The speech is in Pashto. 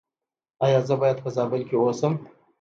ایا زه باید په زابل کې اوسم؟